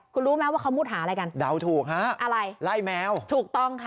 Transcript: คุณรู้ไหมว่าเขามุดหาอะไรกันเดาถูกฮะอะไรไล่แมวถูกต้องค่ะ